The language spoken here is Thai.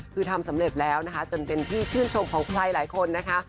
คือทำสำเร็จแล้วนะคะจนเป็นที่ชื่นชมของใครหลายคนนะคะ